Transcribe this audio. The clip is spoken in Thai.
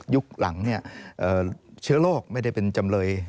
หลังเชื้อโรคไม่ได้เป็นจำเลย